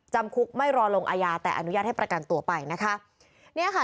จำคุกไม่รอลงอาญาแต่อนุญาตให้ประกันตัวไปนะคะเนี่ยค่ะ